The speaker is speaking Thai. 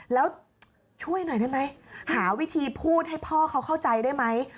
แล้วช่วยหน่อยได้ไหมหาวิธีพูดให้พ่อเขาเข้าใจได้ไหม